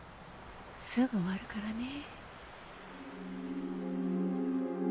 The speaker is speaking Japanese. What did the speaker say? すぐ終わるからね。